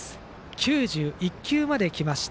９１球まできました